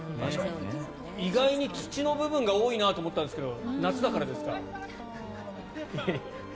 意外に土の部分が多いなと思ったんですが夏だからですか？